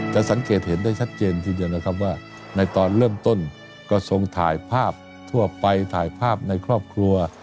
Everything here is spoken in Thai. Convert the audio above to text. จะสังเกตเห็นได้ชัดเจนทีเดียวนะครับว่าในตอนเริ่มต้นก็ทรงถ่ายภาพทั่วไปถ่ายภาพในครอบครัว